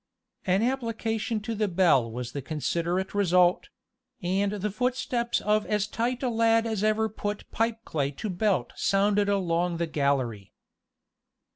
An application to the bell was the considerate result; and the footsteps of as tight a lad as ever put pipe clay to belt sounded along the gallery.